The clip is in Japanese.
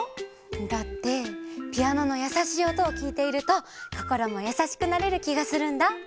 だってピアノのやさしいおとをきいているとこころもやさしくなれるきがするんだ。